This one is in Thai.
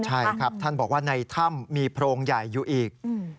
ใช่ครับท่านบอกว่าในถ้ำมีโพรงใหญ่อยู่อีก